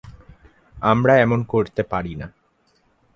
আমরা এমন করতে পারি না।